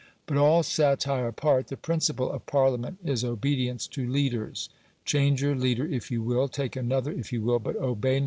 But all satire apart, the principle of Parliament is obedience to leaders. Change your leader if you will, take another if you will, but obey No.